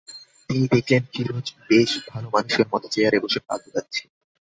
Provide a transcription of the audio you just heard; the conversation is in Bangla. তিনি দেখলেন, ফিরোজ বেশ ভালোমানুষের মতো চেয়ারে বসে পা দোলাচ্ছে।